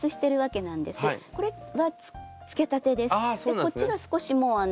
こっちが少しもうあの。